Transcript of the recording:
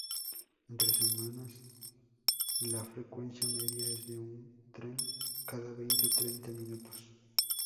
Entre semanas la frecuencia media es de un tren cada veinte-treinta minutos.